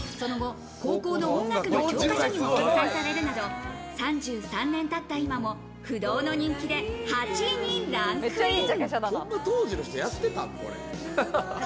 その後、高校の音楽の教科書にも掲載されるなど、３３年たった今も不動の人気で８位にランクイン。